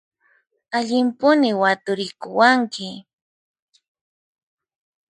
Allimpuni waturikuwanki!